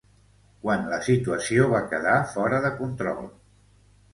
Quan la situació va quedar fora de control.